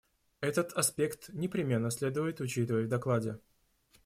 Этот аспект непременно следует учитывать в докладе.